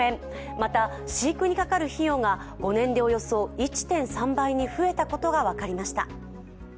また、飼育にかかる費用が５年でおよそ１．３倍に増えたことが分かりました。